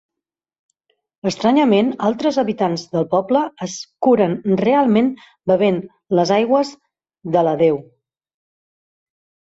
Estranyament, altres habitants del poble es curen realment bevent les aigües de la deu.